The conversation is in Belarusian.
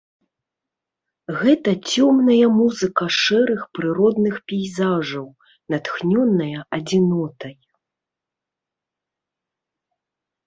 Гэта цёмная музыка шэрых прыродных пейзажаў, натхнёная адзінотай.